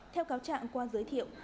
theo cáo trạng qua giới thiệu